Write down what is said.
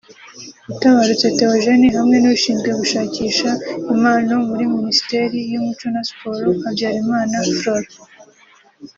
Utabarutse Theogene hamwe n’ushinzwe gushakisha impano muri Ministeri y’umuco na Siporo Habyarimana Florent